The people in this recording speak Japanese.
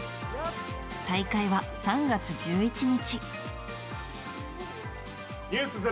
大会は３月１１日。